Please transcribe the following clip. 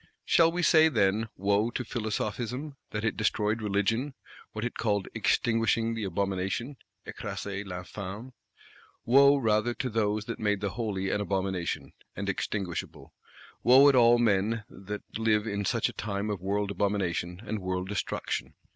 Shall we say, then: Wo to Philosophism, that it destroyed Religion, what it called "extinguishing the abomination (écraser l'infâme)"? Wo rather to those that made the Holy an abomination, and extinguishable; wo at all men that live in such a time of world abomination and world destruction!